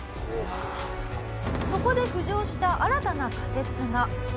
そこで浮上した新たな仮説が。